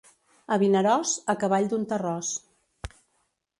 A Vinaròs, a cavall d'un terròs.